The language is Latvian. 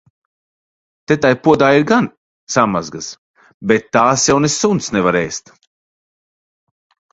Te tai podā ir gan samazgas, bet tās jau ne suns nevar ēst.